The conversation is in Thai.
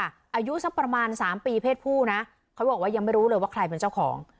อายุสักประมาณสามปีเพศผู้นะเขาบอกว่ายังไม่รู้เลยว่าใครเป็นเจ้าของ